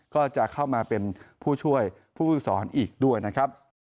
ก็จะเข้ามาเป็นผู้ช่วยผู้ฝึกสอนอีกด้วยนะครับ